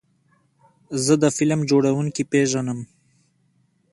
زه د فلم جوړونکي پیژنم.